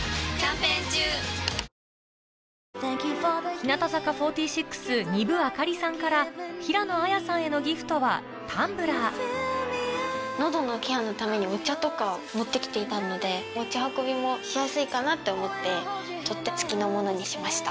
日向坂４６・丹生明里さんから平野綾さんへのギフトはタンブラー喉のケアのためにお茶とか持って来ていたので持ち運びもしやすいかなって思って取っ手付きのものにしました。